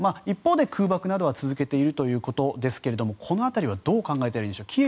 一方で空爆などは続けているということですがこの辺りはどう考えたらいいんでしょう？